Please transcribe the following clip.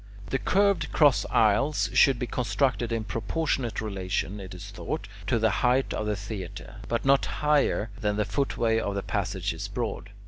The curved cross aisles should be constructed in proportionate relation, it is thought, to the height of the theatre, but not higher than the footway of the passage is broad.